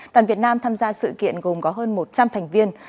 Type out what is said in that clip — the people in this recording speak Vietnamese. đoàn việt nam tham gia sự kiện gồm có hơn một trăm linh thành viên